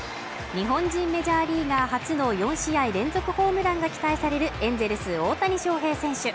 日本人メジャーリーガー初の４試合連続ホームランが期待されるエンゼルス大谷翔平選手